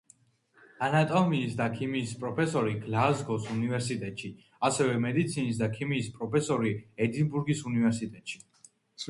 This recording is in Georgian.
ანატომიის და ქიმიის პროფესორი გლაზგოს უნივერსიტეტში, ასევე მედიცინის და ქიმიის პროფესორი ედინბურგის უნივერსიტეტში.